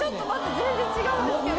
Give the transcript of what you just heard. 全然違うんですけど。